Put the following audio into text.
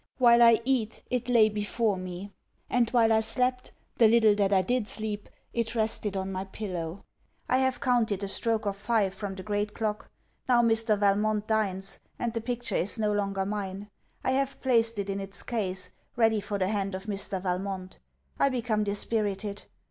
While I eat, it lay before me; and while I slept, the little that I did sleep, it rested on my pillow. I have counted the stroke of five, from the great clock. Now Mr. Valmont dines; and the picture is no longer mine. I have placed it in its case, ready for the hand of Mr. Valmont. I become dispirited.